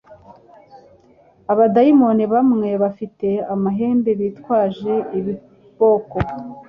abadayimoni bamwe bafite amahembe bitwaje ibiboko